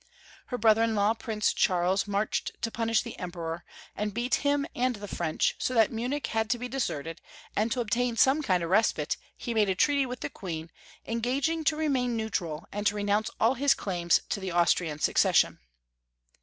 Her brother in law. Prince Charles, marched to punish the Emperor, and beat him and the French, so that Munich had to be deserted, and to obtain some kind of respite, he made a treaty with the Queen, engaging to remain neutral, and to re nounce all his claims to the Austrian succession.